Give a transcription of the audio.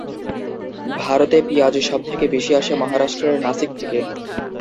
ভারতে পিঁয়াজ সবথেকে বেশি আসে মহারাষ্ট্রের নাসিক থেকে।